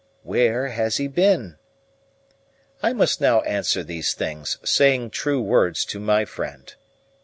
Where has he been?' I must now answer these things, saying true words to my friend.